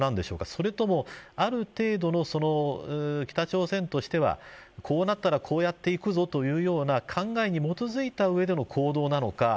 それとも、ある程度の北朝鮮としてはこうなったらこうやっていくぞというような考えに基づいた上での行動なのか。